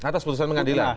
atas putusan pengadilan